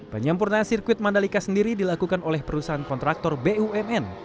penyempurnaan sirkuit mandalika sendiri dilakukan oleh perusahaan kontraktor bumn